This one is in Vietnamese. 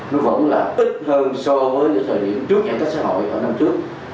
nó vẫn là ít hơn so với thời điểm trước giãn cách xã hội ở năm trước